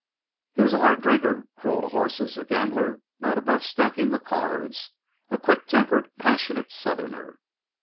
He was a hard drinker, cruel to horses, a gambler not above stacking the cards, a quick tempered, passionate Southerner.